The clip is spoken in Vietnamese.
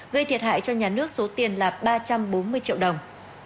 gây thiệt hại cho nhà nước số tiền là ba trăm bốn mươi triệu đồng